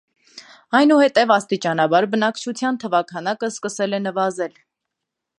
Այնուհետև աստիճանաբար բնակչության թվաքանակը սկսել է նվազել։